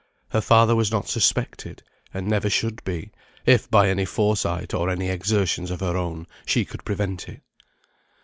Her father was not suspected; and never should be, if by any foresight or any exertions of her own she could prevent it.